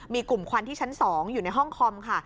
มีกลุ่มควันที่ชั้น๒อยู่ในห้องคอมค่ะ